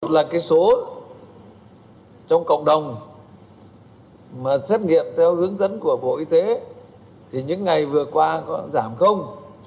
là cái số trong cộng đồng mà xét nghiệm theo hướng dẫn của bộ y tế thì những ngày vừa qua có giảm không